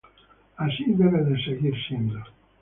Así debe seguir siendo.